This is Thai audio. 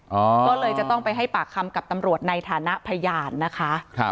ก็เลยจะต้องไปให้ปากคำกับตำรวจในฐานะพยานนะคะครับ